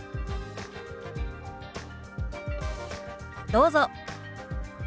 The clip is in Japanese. どうぞ。